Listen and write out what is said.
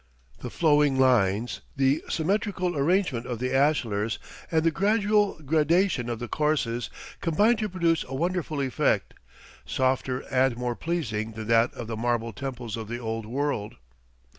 The flowing lines, the symmetrical arrangement of the ashlars, and the gradual gradation of the courses, combined to produce a wonderful effect, softer and more pleasing than that of the marble temples of the Old World.